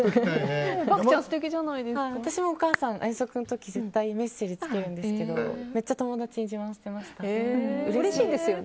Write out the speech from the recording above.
私もお母さんが遠足の時、絶対にメッセージつけてくれるんですけどめっちゃ友達に自慢してました。